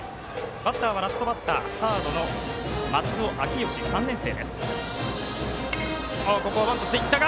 バッター、ラストバッターサードの松尾明芳、３年生。